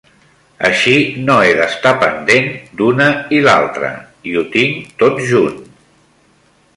Així no he destar pendent d'una i l'altra, i ho tinc tot junt.